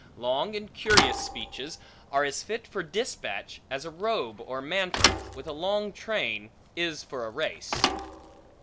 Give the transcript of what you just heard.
Long and curious speeches, are as fit for dispatch, as a robe or mantle, with a long train, is for race.